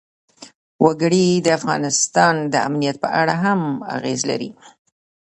وګړي د افغانستان د امنیت په اړه هم اغېز لري.